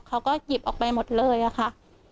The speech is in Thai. เขาก็หยิบออกไปหมดเลยอะค่ะ